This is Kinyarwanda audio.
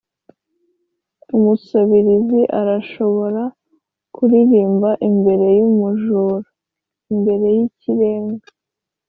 umusabirizi arashobora kuririmba imbere yumujura (mbere yikirenge).